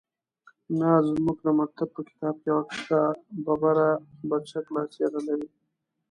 _نه، زموږ د مکتب په کتاب کې يې عکس شته. ببره، بدشکله څېره لري.